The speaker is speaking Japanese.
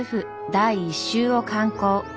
第１集を刊行。